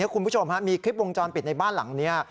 คุณผู้ชมมีคลิปวงจรปิดในบ้านหลังนี้